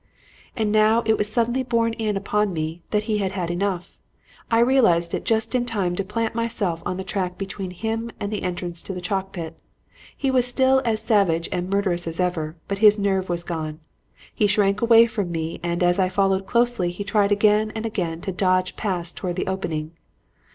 "And now it was suddenly borne in upon me that he had had enough. I realized it just in time to plant myself on the track between him and the entrance to the chalk pit. He was still as savage and murderous as ever, but his nerve was gone. He shrank away from me and as I followed closely he tried again and again to dodge past towards the opening.